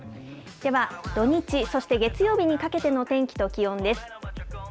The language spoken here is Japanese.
では土日、そして月曜日にかけての天気と気温です。